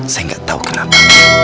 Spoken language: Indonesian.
saya nggak tahu kenapa